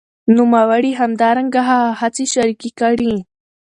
نوموړي همدرانګه هغه هڅي شریکي کړې